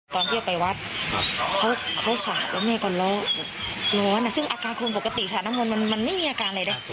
ตอนที่ไปวัดเขาสาดแล้วแม่ก็ร้อนซึ่งอาการคนปกติสาดน้ำมนต์มันไม่มีอาการอะไรเลย